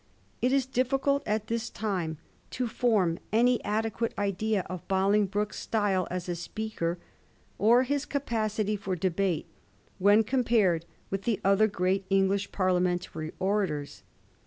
It is difficult at this time to form any adequate idea of Bolingbroke's style as a speaker or his capacity for debate when compared with other great English parliamentary orators.